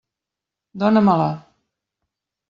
Dóna-me-la.